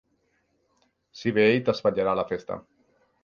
Si ve ell, t'espatllarà la festa.